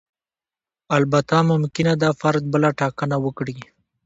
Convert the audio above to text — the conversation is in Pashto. البته ممکنه ده فرد بله ټاکنه وکړي.